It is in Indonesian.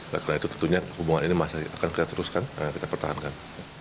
oleh karena itu tentunya hubungan ini masih akan kita teruskan kita pertahankan